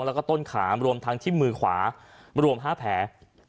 แล้วก็ต้นขารวมทั้งที่มือขวารวม๕แผล